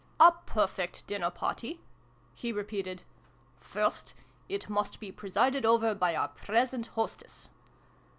"A perfect dinner party?'' he repeated. " First, it must be presided over by our present hostess